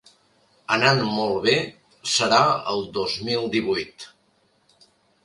Anant molt bé, serà el dos mil divuit.